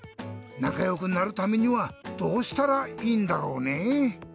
なかよくなるためにはどうしたらいいんだろうねぇ？